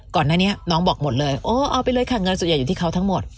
ก่อนหน้านี้น้องบอกหมดเลยโอ้เอาไปเลยค่ะเงินส่วนใหญ่อยู่ที่เขาทั้งหมด